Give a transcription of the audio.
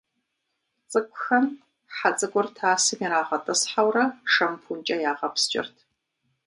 Цӏыкӏухэм хьэ цӀыкӀур тасым ирагъэтӀысхьэурэ шампункӀэ ягъэпскӀырт.